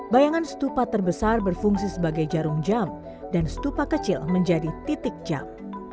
bayangan stupa terbesar berfungsi sebagai jarum jam dan stupa kecil menjadi titik jam